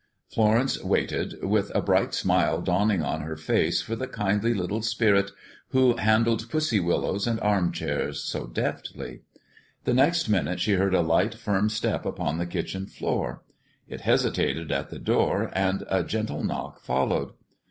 Florence waited, with a bright smile dawning on her face for the kindly little spirit who handled pussy willows and armchairs so deftly. The next minute she heard a light, firm step upon the kitchen floor. It hesitated at the door, and a gentle knock followed.